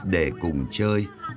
để cùng chơi